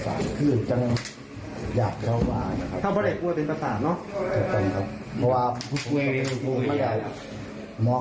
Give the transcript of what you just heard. ใช่เพราะว่าเขาถ่ายกับผ้าเขาไม่มอง